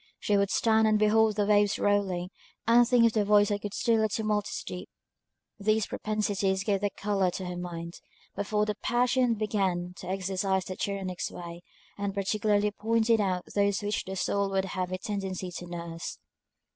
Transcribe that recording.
She would stand and behold the waves rolling, and think of the voice that could still the tumultuous deep. These propensities gave the colour to her mind, before the passions began to exercise their tyrannic sway, and particularly pointed out those which the soil would have a tendency to nurse.